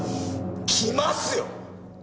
来ますよ！